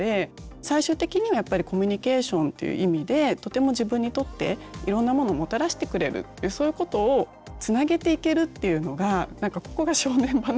最終的にはやっぱりコミュニケーションっていう意味でとても自分にとっていろんなものをもたらしてくれるっていうそういうことをつなげていけるっていうのがここが正念場なのかなってちょっと思いました。